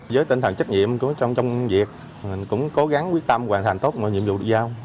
với tinh thần trách nhiệm trong công việc mình cũng cố gắng quyết tâm hoàn thành tốt mọi nhiệm vụ được giao